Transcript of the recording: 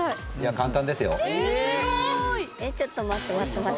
ちょっと待って待って。